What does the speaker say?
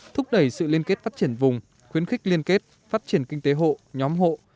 thúc đẩy sự liên kết phát triển vùng khuyến khích liên kết phát triển kinh tế hộ nhóm hộ